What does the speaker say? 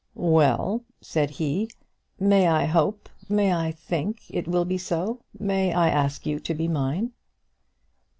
"Well," said he, "may I hope may I think it will be so? may I ask you to be mine?"